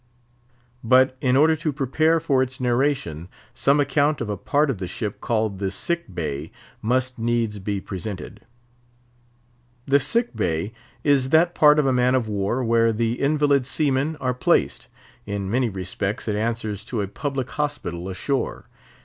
But in order to prepare for its narration, some account of a part of the ship called the "sick bay" must needs be presented. The "sick bay" is that part of a man of war where the invalid seamen are placed; in many respects it answers to a public hospital ashore.